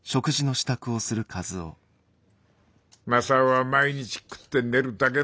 「雅夫は毎日食って寝るだけの男。